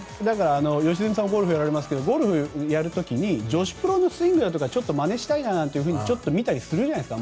良純さんはゴルフをやられますがゴルフをやる時に女子プロのスイングをまねしたいななんてちょっと見たりするじゃないですか。